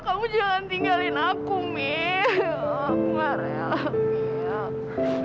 kamu jangan tinggalin aku mil aku gak rela mil